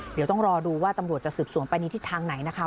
เดี๋ยวต้องรอดูว่าตำรวจจะสืบสวนไปในทิศทางไหนนะคะ